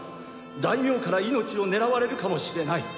大名から命を狙われるかもしれない。